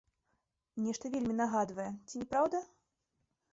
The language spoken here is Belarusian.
Нешта вельмі нагадвае, ці не праўда?